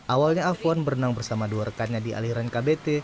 awalnya afwan berenang bersama dua rekannya di aliran kbt